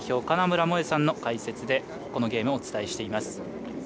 金村萌絵さんの解説でこのゲーム、お伝えしています。